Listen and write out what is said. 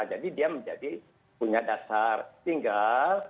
jadi dia menjadi punya dasar tinggal